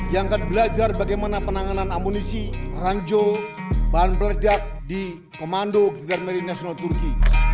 yang akan belajar bagaimana penanganan amunisi ranjo bahan peledak di komando gzanmarin nasional turki